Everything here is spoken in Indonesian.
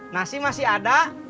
nasi masih ada